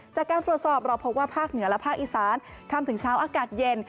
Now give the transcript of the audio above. จากการตรวจสอบเราพบว่าภาคเหนือและภาคอีสานค่ำถึงเช้าอากาศเย็น